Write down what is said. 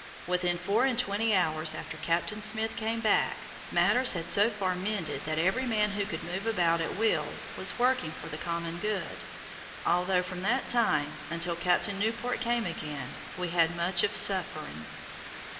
Within four and twenty hours after Captain Smith came back, matters had so far mended that every man who could move about at will, was working for the common good, although from that time, until Captain Newport came again, we had much of suffering.